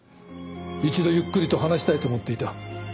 一度ゆっくりと話したいと思っていた。